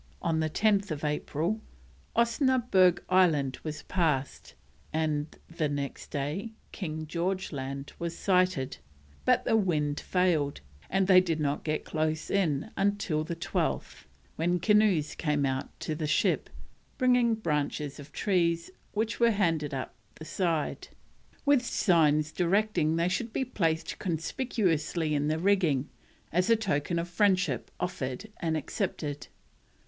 On 10th April Osnaburg Island was passed, and next day King George Land was sighted; but the wind failed, and they did not get close in till the 12th, when canoes came out to the ship, bringing branches of trees which were handed up the side, with signs directing they should be placed conspicuously in the rigging, as a token of friendship offered and accepted.